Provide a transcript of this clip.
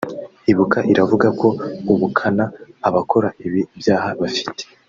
Ibuka iravuga ko ubukana abakora ibi byaha bafite